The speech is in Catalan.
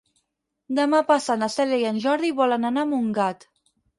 Demà passat na Cèlia i en Jordi volen anar a Montgat.